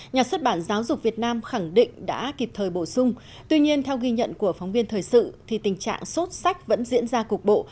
nhà xuất bản giáo dục việt nam khẳng định đã kịp thời bổ sung tuy nhiên theo ghi nhận của phóng viên thời sự thì tình trạng sốt sách vẫn diễn ra cục bộ